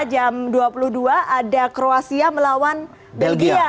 jam dua puluh dua ada kroasia melawan belgia